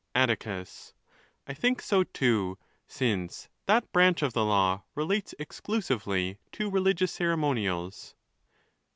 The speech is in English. Atticus.—I think so too, since that branch of the law relates exclusively to religious ceremonials.